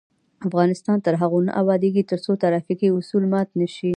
افغانستان تر هغو نه ابادیږي، ترڅو ترافیکي اصول مات نشي.